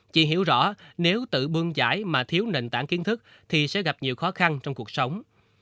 chị hiểu rõ nếu tự bương giải mà thiếu nền tảng kiến thức thì sẽ gặp nhiều khó khăn trong cuộc sống